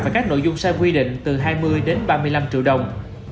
và các nội dung sai quy định từ hai mươi đến ba mươi năm triệu đồng